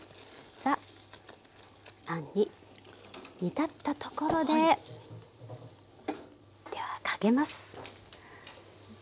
さああんに煮立ったところでではかけます。